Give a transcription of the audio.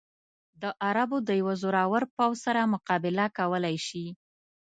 د عربو د یوه زورور پوځ سره مقابله کولای شي.